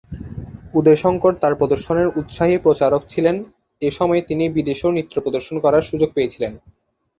উদয় শঙ্কর তাঁর প্রদর্শনের উৎসাহী প্রচারক ছিলেন, এই সময়ে তিনি বিদেশেও নৃত্য প্রদর্শন করার সুযোগ পেয়েছিলেন।